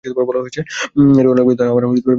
এটা অনেক বছর ধরে আমার মনোবাঞ্ছায় রয়েছে।